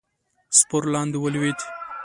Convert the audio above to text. سپور لاندې ولوېد.